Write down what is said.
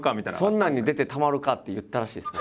「そんなんに出てたまるか」って言ったらしいです。